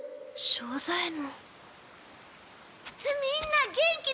庄左ヱ門！？